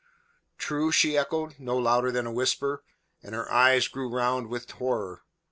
"True?" she echoed, no louder than a whisper, and her eyes grew round with horror.